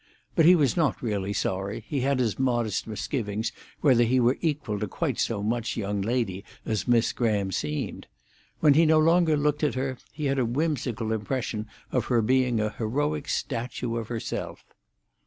But he was not really sorry; he had his modest misgivings whether he were equal to quite so much young lady as Miss Graham seemed. When he no longer looked at her he had a whimsical impression of her being a heroic statue of herself.